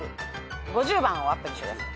５０をアップにしてください。